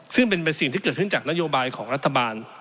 ซึ่งเป็นสิ่งที่เกิดขึ้นจากนโยบายของรัฐบาล